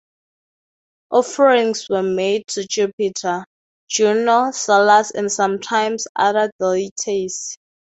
Offerings were made to Jupiter, Juno, Salus, and sometimes other deities.